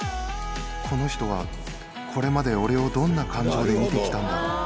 この人はこれまで俺をどんな感情で見てきたんだろう。